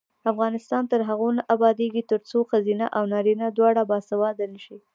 افغانستان تر هغو نه ابادیږي، ترڅو ښځینه او نارینه دواړه باسواده نشي.